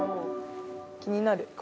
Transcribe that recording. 気になる。